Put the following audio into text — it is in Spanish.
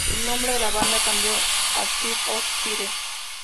El nombre de la banda cambió a City Of Fire.